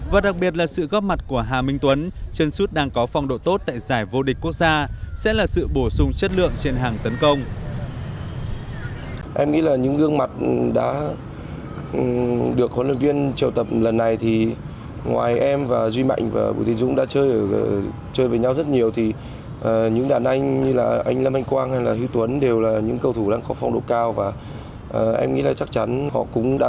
và đặc biệt là sự góp mặt của hà minh tuấn chân suốt đang có phong độ tốt tại giải vô địch quốc gia